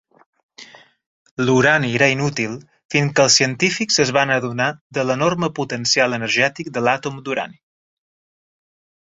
L'urani era inútil fins que els científics es van adonar de l'enorme potencial energètic de l'àtom d'urani.